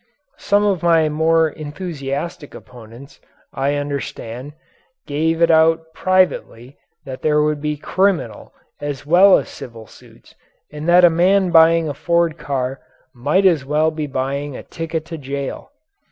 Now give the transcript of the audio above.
Some of my more enthusiastic opponents, I understand, gave it out privately that there would be criminal as well as civil suits and that a man buying a Ford car might as well be buying a ticket to jail.